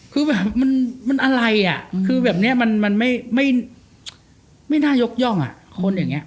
คือแบบมันอะไรอ่ะคือแบบนี้มันไม่น่ายกย่องอ่ะคนอย่างนี้